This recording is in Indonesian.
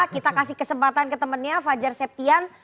kita kasih kesempatan ke temennya fajar septian